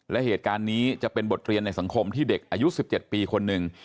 และเหตุการณ์นี้จะเป็นบทเรียนในสังคมที่เด็กอายุ๑๗ปีคนหนึ่ง